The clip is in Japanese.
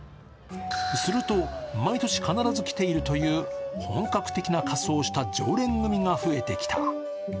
すると、毎年必ず来ているという本格的な仮装をした常連組が増えてきた。